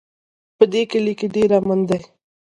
په دې کلي کې ډېر امن ده